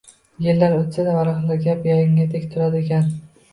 Yillar o‘tsa-da, varaqlari yap-yangidek turadigan